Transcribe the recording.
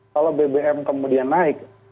kalau bbm kemudian naik